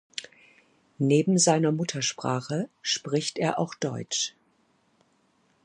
Neben seiner Muttersprache spricht er auch deutsch.